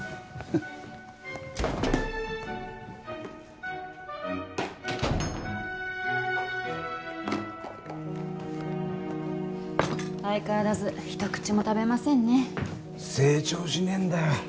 フンッ相変わらず一口も食べませんね成長しねえんだよ